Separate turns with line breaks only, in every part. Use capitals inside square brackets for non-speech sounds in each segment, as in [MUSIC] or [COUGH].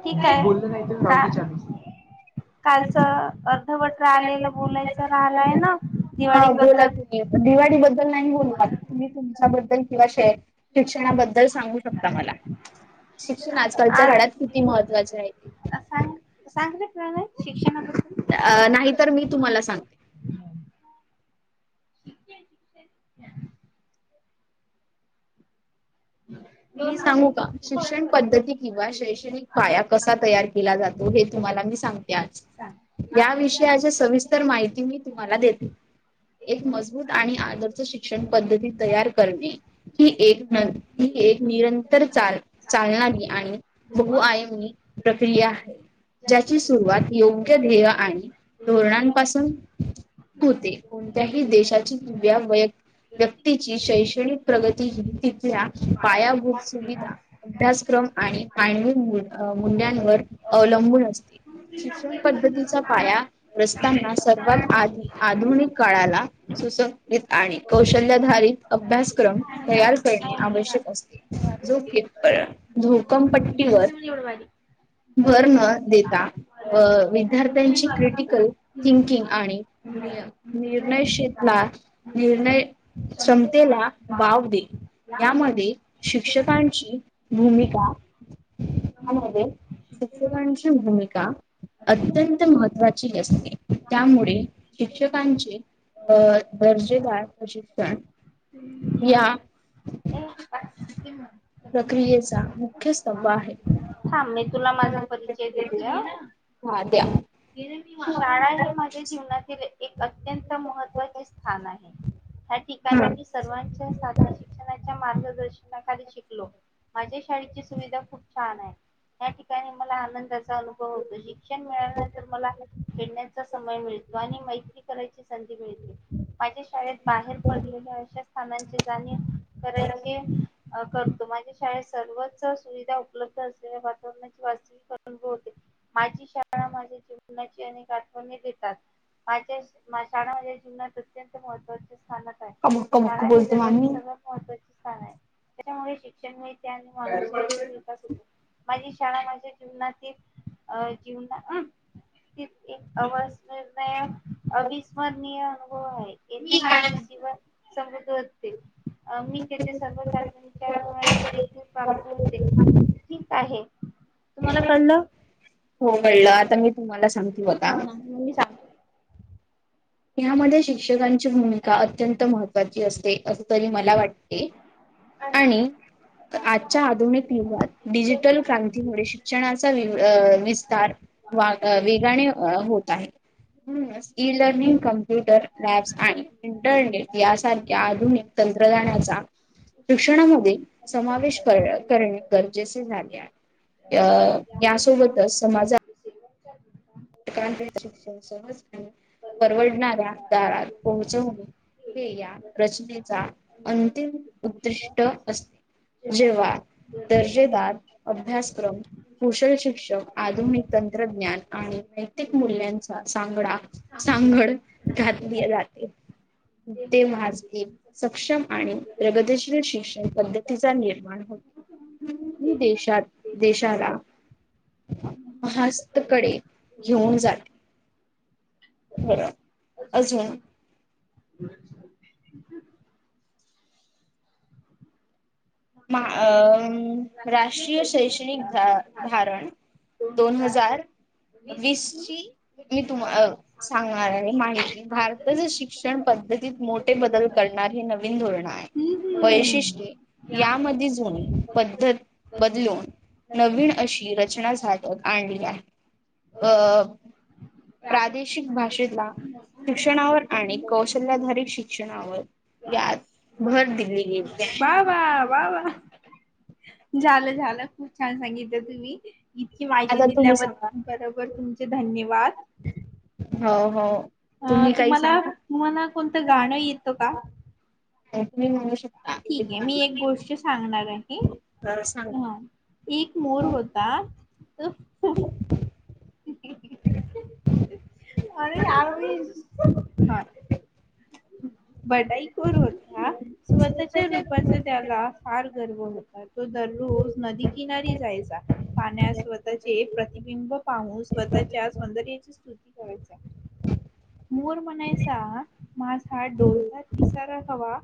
ठी आहे बोलले नाही [UNINTELLIGIBLE] हा. कालच अर्धवटर राहलेलं बोलायचं राहिलाय ना?
हा
दिवाळी
बोला
बद्दल.
तुम्ही दिवाळी बद्दल नाही बोलू आता तुम्ही तुमच्याबद्दल किंवा शेअ शिक्षणाबद्दल सांगू शकता मला. शिक्षण आजकालच्या काळात किती महत्त्वाचे आहे ते.
[UNINTELLIGIBLE] सांगितलं ना शिक्षणाबद्दल.
अ नाहीतर मी तुम्हाला सांग
[UNINTELLIGIBLE]
मी सांगू का? शिक्षण पद्धती किंवा शैक्षणिक पाया कसा तयार केला जातो हे तुम्हाला मी सांग ते आज
सांग
या विषयाची सविस्तर माहिती मी तुम्हाला देते. एक मजबूत आणि आदर्श शिक्षण पद्धती तयार करणे. ही एक न ही एक निरंतर चाल चालणारी आणि बहुआयमी प्रक्रिया आहे. ज्याची सुरुवात योग्य ध्येय आणि धोरणांपासून होते. कोणत्याही देशाची दिव्या वैयक्त व्यक्तीची शैक्षणिक प्रगती ही तिथल्या पायाभूत सुविधा अभ्यासक्रम आणि मानवी मूल्यांवर अवलंबून असते शिक्षण पद्धतीचा पाया रचताना सर्वात आधी आधुनिक काळाला सुसंग [UNINTELLIGIBLE] आणि कौशल्याधारित अभ्यासक्रम तयार करणे आवश्यक असते जो केवळ घोकमपट्टीवर
[UNINTELLIGIBLE]
भर न देता व विद्यार्थ्यांची क्रिटिकल थिंकिंग आणि नियम निर्णय क्षेतला निर्णय क्षमतेला वाव देईल. यामध्ये शिक्षकांची भूमिका यामध्ये शिक्षकांची भूमिका अत्यंत महत्त्वाची असते त्यामुळे शिक्षकांचे अ दर्जेदार असिस्टंट या प्रक्रियेचा मुख्य स्तंभ आहे.
थांब मी तुला माझा परिचय देते अ
हा द्या
शाळा हे माझ्या जीवनातील एक अत्यंत महत्त्वाचे स्थान आहे. त्या ठिकाणी
हा
मी सर्वांच्या साठी शिक्षणाच्या मार्गदर्शन शिकलो माझ्या शाळेची सुविधा खूप छान आहे. या ठिकाणी मला आनंदाचा अनुभव होतो शिक्षण मिळाल्यानंतर खेण्याचा समय मिळतो आणि मैत्री करायची संधी मिळते माझ्या शाळेत बाहेर पडलेल्या अशा स्थानांची जाणीव करायचे करतो माझे शाळेत सर्वच सुविधा उपलब्ध असलेल्या वातावरणाची वा माझी शाळा माझ्या जीवनाची अनेक आठवणी देतात माझ्या शाळा माझ्या जीवनात अत्यंत महत्त्वाचे स्थान
अ बक्क बुक बोलतो म माम्ही
महत्वाचे स्थान आहे त्याच्यामुळे शिक्षण आणि विकास होतो माझी शाळा माझ्या जीवनातील अ जीवना अं एक अवस् निणय अविस्मरणीय अनुभव आहे येथे मा जव सते मी तेथे सर्व नावाचे देखील पाप्प होते ठीक आहे तुम्हाला कळलं
हो कळलं आता मी तुम्हाला सांगते बघा
मी सांगतो.
ह्यामध्ये शिक्षकांची भूमिका अत्यंत महत्त्वाची असते असं तरी मला वाटते.
आणि
आजच्या आधुनिक युगात डिजिटल क्रांतीमुळे शिक्षणाचा विस्तार वेगाने होत आहे स् लर्निंग कम्प्युटर लॅब्स आणि इंटरनेट यासारख्या आधुनिक तंत्रज्ञानाचा शिक्षणामध्ये समावेश कर करणे गरजेचे झाले आहे अ यासोबतच समाजा शिक्षण सहजपणे परवडणाऱ्या दारात पोहोचवणे हे या रचनेचा अंतिम उद्दिष्ट असते जेव्हा दर्जेदार अभ्यासक्रम कुशल शिक्षण आधुनिक तंत्रज्ञान आणि नैतिक मूल्यांचा सांगडा सांगड घातली जाते ते मज हे सक्षम आणि प्रगतीशील शिक्षण पद्धतीचा निर्माण होत ह त देशात देशाला
हा
मस्तकडे घेऊन जाते ब अजा
ब
अ राष्ट्रीय शैक्षणिक धारण दोन हजार वीसची मी तुम्हा सांगणार आहे माहिती भारताच्या शिक्षण पद्धतीत मोठ बदल करणार हे नवीन धोरण आहे वैशिष्ट पद्धत बदलून नवीन अशी रचना झाातक आणली आहे अ प्रादेशिक भाषेला शिक्षणावर आणी कौशल्याधारित शिक्षणावर यात भर दिली गेली आहे.
वा वा वा वा झालं झालं खूप छान सांगितलं तुम्ही इतकी माहिती
आता तुम्ही सांगा.
दिल्याबद्दल बरोबर तुमचे धन्यवाद
हो हो
अ
तुम्ही काही
तुम्हाला
सांगता
तुम्हाला कोणतं गाणं येतं का
म म्हणू शकता
ठीक आहे मी एक गोष्ट सांगणार आहे
हा सांगा
तुम्हाला एक मोर होता ही ही
डुह
अरे आरविज हा बडाईकोर होता स्वतःच्या रूपाचा त्याला फार गर्व होता तो दररोज नदीकिनारी जायचा पाण्यास स्वतःचे प्रतिबिंब पाहून स्वतःच्या सौंदर्याची स्तुती करायचा मोर म्हणायचा माझा डोलत पिसारा हवा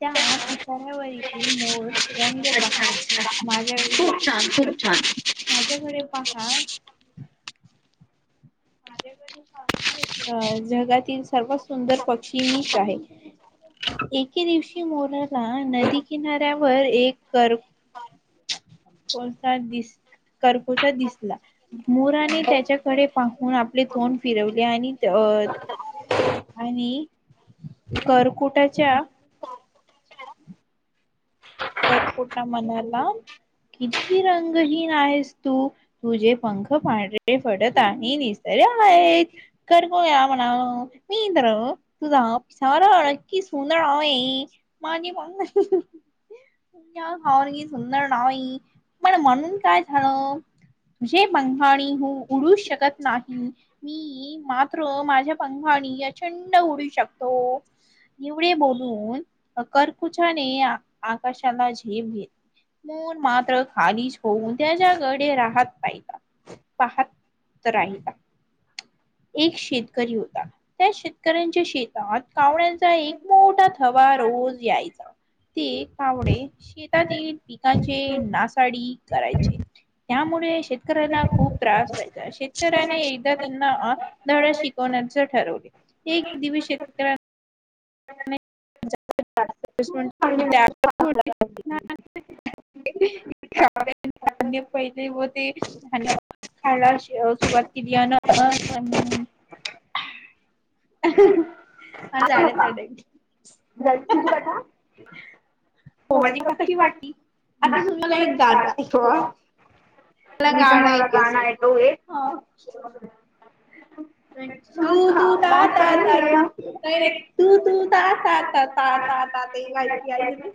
त्या पिसाऱ्यावरील मोळ रंग पहा माझ्याकडे
खूप छान खूप छान
माझ्याकडे पहा माझ जगातील सर्वात सुंदर पक्षी मी एके दिवशी मोरला नदी किनाऱ्यावर एक कर
हा
कोसा दिस कर्कोसा दिसला मोराने त्याच्याकडे पाहून आपले तोंड फिरवले आणि तोच आणि करकुटाच्या करपोटा मनाला किती रंगहीन आहेस तू तुझे पंख पांढरे फडत आणि निसर् आहेत कर ग या म्हणा मींद्र तुझा सार अड कि सोंदळा आइ माझे प या हा सुंदर नाई पण म्हणून काय झालं तुझे बघाणी हो उडू शकत नाही मी मात्र माझ्या पखानी अचंड उडू शकतो ऐवळे बोलून करकुचाने आकाशाला झेप घेतली मन मात्र खालीच होऊन त्याच्याकडे राहत पाहिता पाहात तरही आईला एक शेतकरी होता त्या शेतकऱ्यांच्या शेत आत कावण्या्यांचा एक मोठा थवा रोज यायचा ते कावणे शेत तील पिकांचे नासाडी करायचे त्यामुळे शेतकऱ्याना खूप त्रास व्हायचा शेतकऱ्याने एकदा त्यांना आ धडा शिकवण्याचे ठरवले एक दिवी शेतकऱ्या त्या पहिले व ते ध्य खायला सुरवात केली अन अन आ झाडे तळे
ह
हो माझी आता कशी वाटली आताचून मला एक गाज आहे मला
अभी
गाणं
तुम्हारा
ऐकच
गाना है तो
आहे
एक
हा
गाणं
तू तू ता ता ता तू काय रे तू तू ता ता ता ता ता यायल ते यायल यायल रे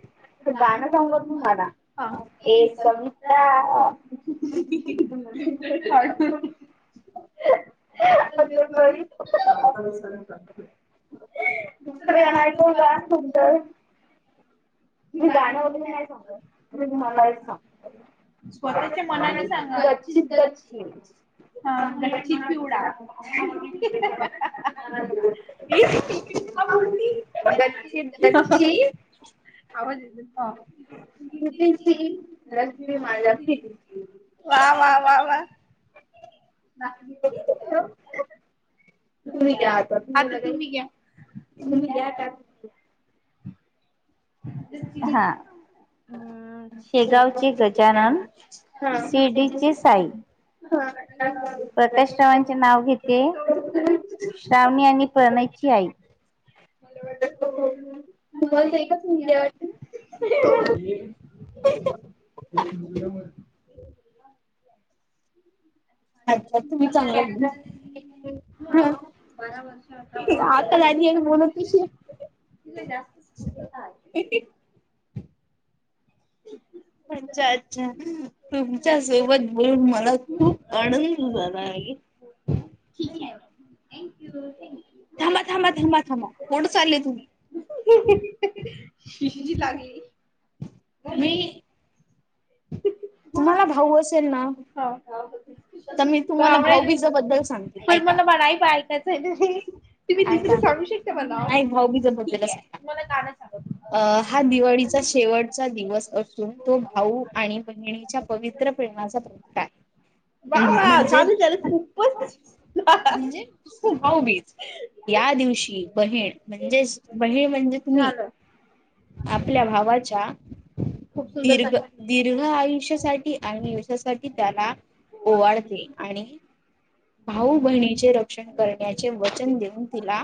गाण्यासबर प म्हड
हा सविित्रा
दुसरं
ता
दुसरण ऐको कात त गाणं वगैरे नाही सांगत मला सांग
स्वतःच्या मनानी सांगाच
गच्ची
ह गच्ची पिवडा हे तर इकडे का बोलती
ब्चीी
आवज येत ह
रश्मी माझी
ना घेतले
तुम्ही घ्या आता तुमला काही तुम्ही घ्या का
हा् शेगावचे गजानन
हा हा
शिर्डीची साई प्रकाशरावांचे नाव घेते श्रावणी आणि प्रणय ची आई मला वाटतं तोड
बोल का
एक मुयाम
अच्छा तुम्ही
आता
चांगलं
आताच नाही बारा वर्ष
आता झाली आणि बोलत कशी
इ का
हो
ते
अछ तुमच्या सोबत बोलून मला खूप आनंद झाला आहे
ठीक आहे
थांबा थांबा थांबा कोण चाललेय तुम्ही
ही लाग
मी तुम्हाला भाऊ असेल ना
हो
तर मी तुम्हाला
भाव
भाऊबीज बद्दल सांगते
पण
ऐका.
मला मणाई बाऐकाचं आहे तुम्ही
ऐका.
दुसरं सांगू शकता मला
नाही भाऊबीज
ठीक
बद्दलच
आहे
सांगा.
मला गाण सांगत
अ हा दिवाळीचा शेवटचा दिवस असून तो भाऊ आणि बहिणी पवित्र प्रेमाचा प्रकार
वा वा झाले झाले खूपच
खू भाऊबीच या दिवशी बहीण म्हणजेच बहीण म्हणजे तुम्ही
झालं
आपल्या भावाच्या
खूप सुंदर
दीर्घ
सांग
दीर्घ आयुष्य आणि युषासाठी त्याला ओवाडते आणि भाऊ बहिणीचे रक्षण करण्याचे वचन देऊन तिला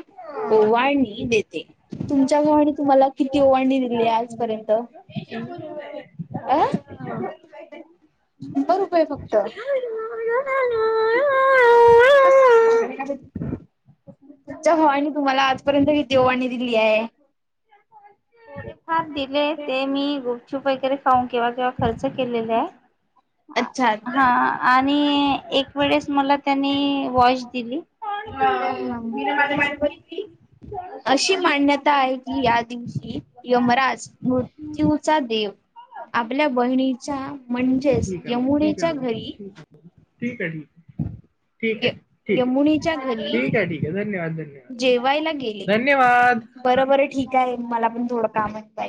ओवळणी देते तुमच्या गवाने तुम्हाला किती ओवांणी दिली आजपर्यंत ह
च
अं शंभर रुपये फक्त सगण्या का तुमच्या हवानी तुम्हाला आजपर्यंत कि देवाणी दिली आहे
हा दिले ते मी गुपचूप वगैरे खाऊन किंवा किंवा खर्च केलेले आहे
अच्छा अच्छा
हा आणि एक वेळेस मला त्यांनी वॉश दिली
अशी मांडण्यात आहे की या दिवशी यमराज मृत्यूचा देव
सज
च्या म्हणजेच यमुनेच्या घरी
ठीक आहे ठीक आहे ठीक आहे
य
ठीक
यमुनेच्या घरी
ठीक आहे ठीक आहे धन्यवाद धन्यवाद
जेवायला गेले.
धन्यवाद.
बरं बरं ठीक आहे मला पण थोडं कामय